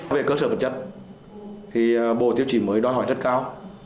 về cơ sở vật chất thì bộ tiêu chí mới đòi hỏi rất cao